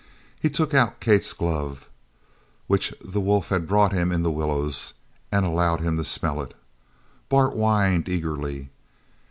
He took out Kate's glove, which the wolf had brought to him in the willows, and allowed him to smell it. Bart whined eagerly.